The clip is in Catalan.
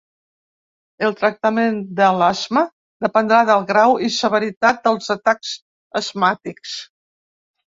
El tractament de l'asma dependrà del grau i severitat dels atacs asmàtics.